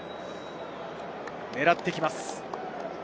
狙ってきます。